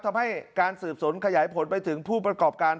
ทำให้การสืบสวนขยายผลไปถึงผู้ประกอบการ